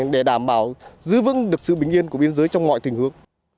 để đảm bảo giữ vững được sự bình yên của biên giới trong mọi tình huống